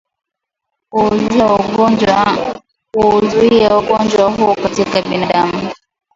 Kuuzuia ugonjwa huu katika binadamu